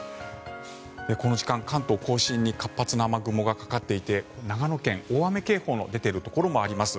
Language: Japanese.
この時間、関東・甲信に活発な雨雲がかかっていて長野県、大雨警報の出ているところもあります。